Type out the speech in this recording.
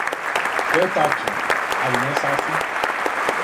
То је тачно, али не сасвим.